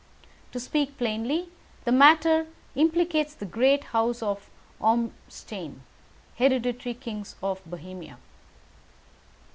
To speak plainly, the matter implicates the great House of Ormstein, hereditary kings of Bohemia."